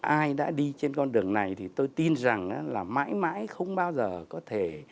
ai đã đi trên con đường này thì tôi tin rằng là mãi mãi không bao giờ có thể